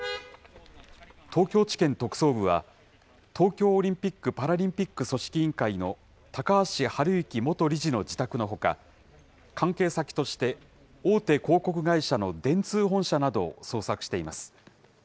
東京地検特捜部は、東京オリンピック・パラリンピック組織委員会の高橋治之元理事の自宅のほか、関係先として、大手広告会社の電通本社などを捜索しています。